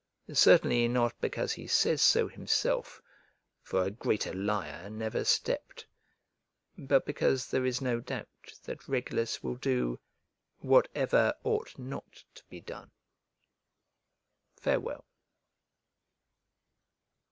Certainly not because he says so himself (for a greater liar never stepped), but because there is no doubt that Regulus will do whatever ought not to be done. Farewell.